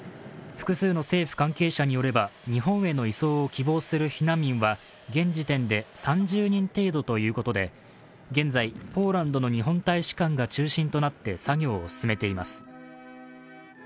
複数の政府関係者によれば日本への移送を希望する避難民は、現時点で３０人程度ということで現在、ポーランドの日本大使館が中心となって作業を進めています。